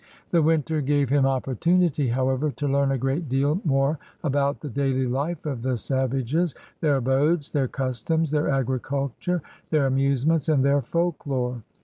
The winter gave him opportunity, however, to learn a great deal more about the daily life of the savages, their abodes, their customs, their agriculture, their amusements, and their folklore.